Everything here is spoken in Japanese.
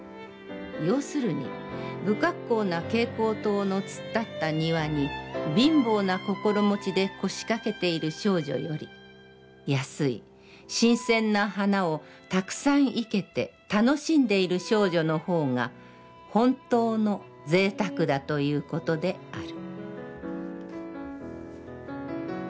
要するに、不格好な蛍光灯の突っ立った庭に貧乏な心持で腰かけている少女より、安い新鮮な花をたくさん活けて楽しんでいる少女の方が、ほんとうの贅沢だということである」。